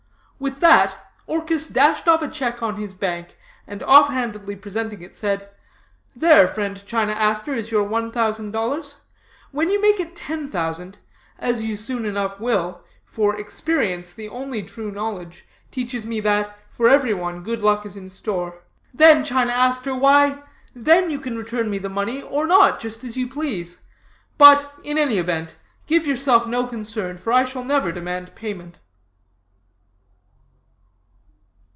With that, Orchis dashed off a check on his bank, and off handedly presenting it, said: 'There, friend China Aster, is your one thousand dollars; when you make it ten thousand, as you soon enough will (for experience, the only true knowledge, teaches me that, for every one, good luck is in store), then, China Aster, why, then you can return me the money or not, just as you please. But, in any event, give yourself no concern, for I shall never demand payment.'